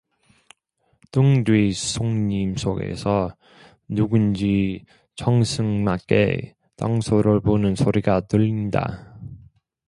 등 뒤 송림 속에서 누군지 청승 맞게 단소를 부는 소리가 들린다.